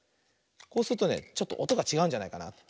こうするとねちょっとおとがちがうんじゃないかな。